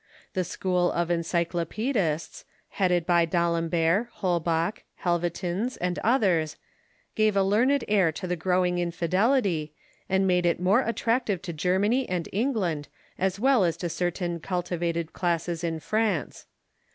The school of en cj'clopsedists, headed by D'Alembert, Holbach, Helvetius, and others, gave a learned air to the growing infidelity, and made it more attractive to Germany and England, as well as to cer tain cultivated classes in France.